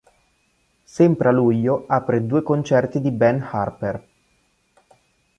Sempre a luglio apre due concerti di Ben Harper.